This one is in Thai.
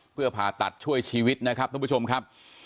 เพื่อผ่าตัดช่วยชีวิตนะครับทุกผู้ชมครับ